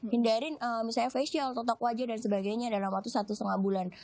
hindari misalnya facial totok wajah dan sebagainya dalam waktu satu setengah bulan